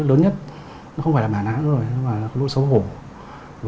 tù nhân dân thành phố hải phòng